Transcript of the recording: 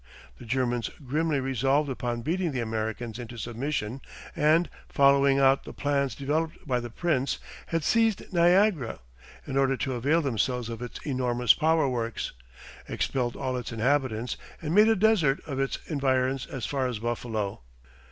The Germans grimly resolved upon beating the Americans into submission and, following out the plans developed by the Prince, had seized Niagara in order to avail themselves of its enormous powerworks; expelled all its inhabitants and made a desert of its environs as far as Buffalo.